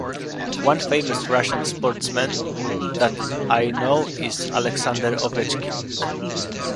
One famous Russian sportsman that I know is Alexander Ovechkin.